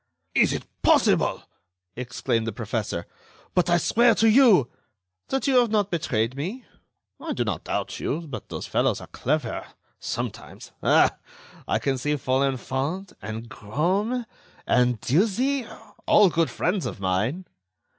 "Is it possible!" exclaimed the professor. "But I swear to you—" "That you have not betrayed me?... I do not doubt you, but those fellows are clever—sometimes. Ah! I can see Folenfant, and Greaume, and Dieuzy—all good friends of mine!"